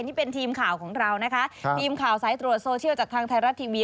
นี่เป็นทีมข่าวของเรานะคะทีมข่าวสายตรวจโซเชียลจากทางไทยรัฐทีวี